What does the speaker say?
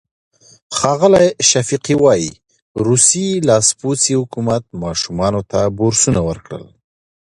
ښاغلی شفیقي وايي، روسي لاسپوڅي حکومت ماشومانو ته بورسونه ورکړل.